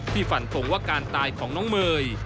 ฝันทงว่าการตายของน้องเมย์